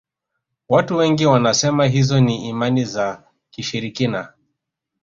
watu wengi wanasema hizo ni imani za kishirikina